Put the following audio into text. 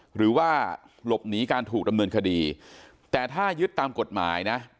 หรือว่าหลบหนีการถูกดำเนินคดีแต่ถ้ายึดตามกฎหมายนะ